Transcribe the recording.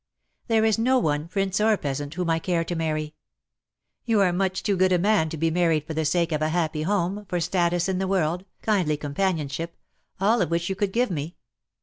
There is no one, prince or peasant, whom I care to marry. You are much too good a man to be married for the sake of a happy home, for status in the world, kindly companionship — all of which you could give me.